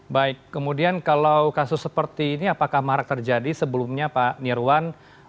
baik kemudian kalau kasus seperti ini apakah marak terjadi sebelumnya pak nirwan